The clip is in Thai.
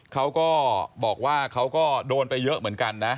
เขาก็บอกว่าเขาก็โดนไปเยอะเหมือนกันนะ